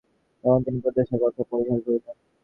তখন তিনি প্রত্যাদেশের কথা পরিহার করিলেন।